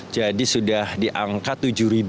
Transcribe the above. jadi sudah diangkat tujuh satu ratus dua puluh lima